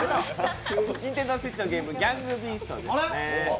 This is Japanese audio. ＮｉｎｔｅｎｄｏＳｗｉｔｃｈのゲーム「ギャングビースト」ですね。